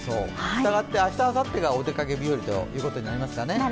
したがって明日、あさってがお出かけ日和ということになりそうですかね。